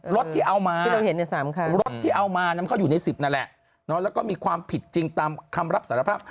รถที่เอามาที่เราเห็นรถที่เอามานั้นก็อยู่ใน๑๐นั่นแหละแล้วก็มีความผิดจริงตามคำรับสารภาพ